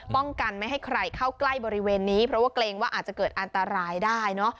ป้องกันไม่ให้ใครเข้าใกล้บริเวณนี้เพราะว่าเกรงว่าอาจจะเกิดอันตรายได้เนอะ